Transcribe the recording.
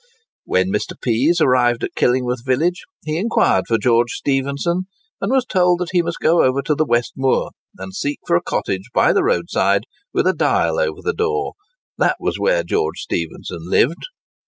When Mr. Pease arrived at Killingworth village, he inquired for George Stephenson, and was told that he must go over to the West Moor, and seek for a cottage by the roadside, with a dial over the door—"that was where George Stephenson lived."